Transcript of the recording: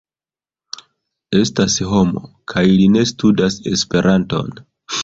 Estas homo, kaj li ne studas Esperanton.